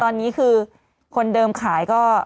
ตอนนี้คือคนเดิมขายก็